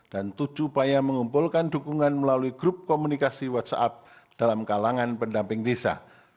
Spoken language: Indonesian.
dan tujuh paya mengumpulkan dukungan melalui grup komunikasi whatsapp dalam kalangan pendamping desa